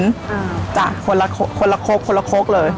คนละโค้กคนละโค้กคนละโค้กเลย